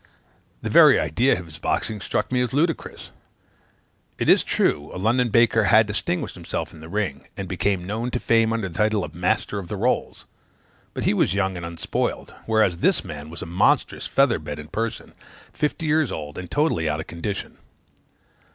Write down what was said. The very idea of his boxing struck me as ludicrous. It is true, a London baker had distinguished himself in the ring, and became known to fame under the title of the Master of the Rolls; but he was young and unspoiled: whereas this man was a monstrous feather bed in person, fifty years old, and totally out of condition.